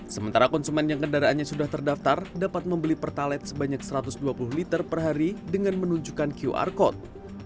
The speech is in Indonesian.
sementara konsumen yang kendaraannya sudah terdaftar dapat membeli pertalet sebanyak satu ratus dua puluh liter per hari dengan menunjukkan qr code